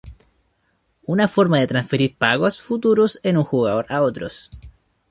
Una forma es transferir pagos futuros de un jugador a otros.